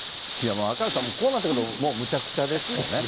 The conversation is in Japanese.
赤星さん、こうなってくるともうむちゃくちゃですよね。